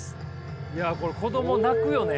いやこれ子供泣くよね？